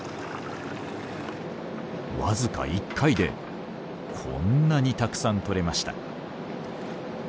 わずか１回でこんなにたくさんとれました。